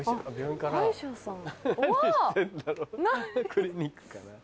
クリニックかな？